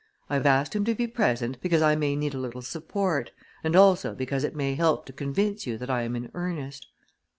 I have asked him to be present because I may need a little support, and also because it may help to convince you that I am in earnest.